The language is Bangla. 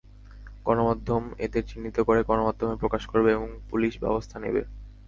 গণমাধ্যম এদের চিহ্নিত করে গণমাধ্যমে প্রকাশ করবে এবং পুলিশ ব্যবস্থা নেবে।